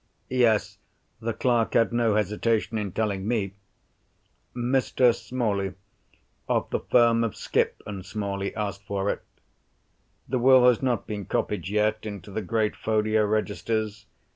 "Yes; the clerk had no hesitation in telling me. Mr. Smalley, of the firm of Skipp and Smalley, asked for it. The Will has not been copied yet into the great Folio Registers.